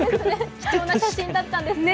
貴重な写真だったんですね。